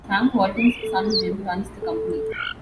Sam Walton's son Jim runs the company.